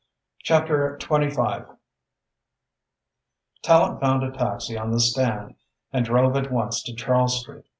CHAPTER XI Tallente found a taxi on the stand and drove at once to Charles Street.